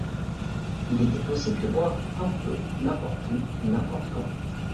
Il était possible de boire un peu n'importe où et n'importe quand.